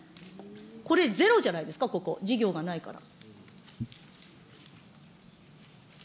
これ、ゼロじゃないですか、ここ、事業がないから。